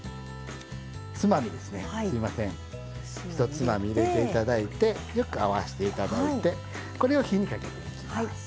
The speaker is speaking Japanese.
１つまみ入れて頂いてよく合わして頂いてこれを火にかけていきます。